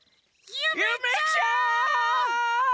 ゆめちゃん！